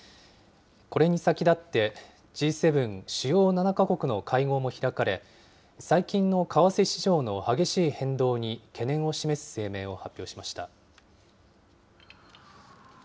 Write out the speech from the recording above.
これに先立って、Ｇ７・主要７か国の会合も開かれ、最近の為替市場の激しい変動に懸念を示す声明を発表しました。